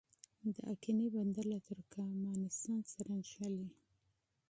د اقینې بندر له ترکمنستان سره نښلي